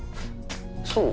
そう？